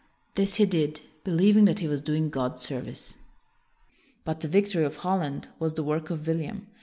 This he did, believing that he was doing God service. But the victory of Holland was the work of William.